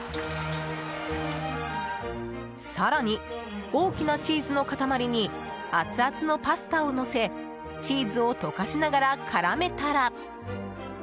更に、大きなチーズの塊にアツアツのパスタをのせチーズを溶かしながら絡めたら。